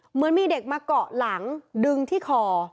เหมือนมีเด็กมาเกาะหลังดึงที่คอ